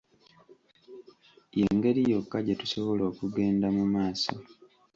Y'engeri yokka gye tusobola okugenda mu maaso.